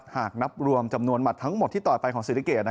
หากนับรวมจำนวนหมัดทั้งหมดที่ต่อยไปของศรีสะเกด